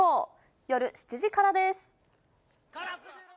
夜７時からです。